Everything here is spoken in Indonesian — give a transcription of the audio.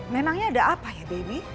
tenangnya ada apa ya baby